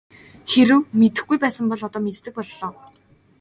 Хэрэв мэдэхгүй байсан бол одоо мэддэг боллоо.